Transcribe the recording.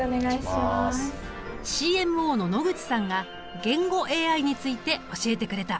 ＣＭＯの野口さんが言語ＡＩについて教えてくれた。